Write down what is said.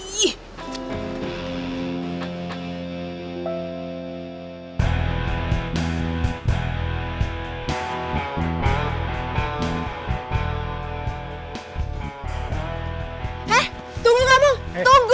hei tunggu kamu tunggu